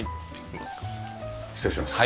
失礼します。